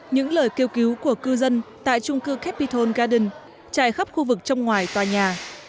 những lời kêu cứu của cư dân tại trung cư capitol garden chạy khắp khu vực trong ngoài tòa nhà